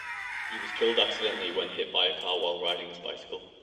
He was killed accidentally when hit by a car while riding his bicycle.